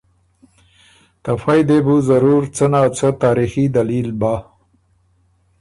ته فئ دې بُو ضرور څه نا څه تاریخي دلیل بَۀ۔